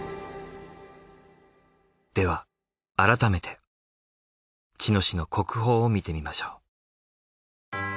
では改めて茅野市の国宝を見てみましょう。